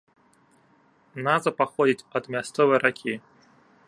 Назва паходзіць ад мясцовай ракі.